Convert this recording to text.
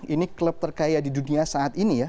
ini klub terkaya di dunia saat ini ya